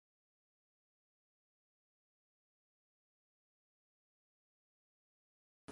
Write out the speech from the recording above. Adonis was often personated by priestly kings and other members of the royal family.